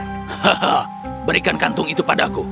hahaha berikan kantung itu padaku